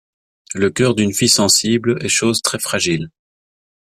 Le cœur d'une fille sensible est chose très fragile.